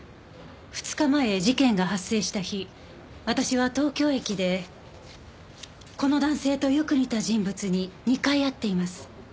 ２日前事件が発生した日私は東京駅でこの男性とよく似た人物に２回会っています。